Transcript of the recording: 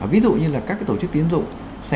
ví dụ như là các tổ chức tiến dụng